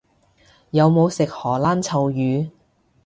有冇食荷蘭臭魚？